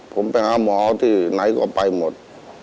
ผมไปหาหมอที่ไหนก็ไปหมด